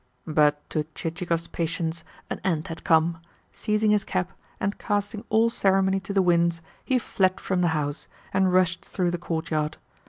But to Chichikov's patience an end had come. Seizing his cap, and casting all ceremony to the winds, he fled from the house, and rushed through the courtyard.